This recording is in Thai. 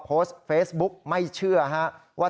เพราะว่ามีทีมนี้ก็ตีความกันไปเยอะเลยนะครับ